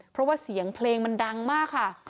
เพราะว่าเสียงเพลงมันดังมากค่ะ